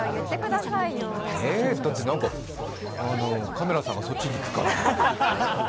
だって、なんか、カメラさんがそっちに行くから。